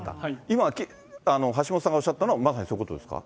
今、橋下さんがおっしゃったのは、まさにそういうことですか？